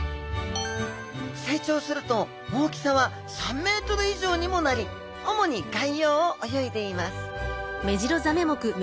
成長すると大きさは３ｍ以上にもなり主に外洋を泳いでいます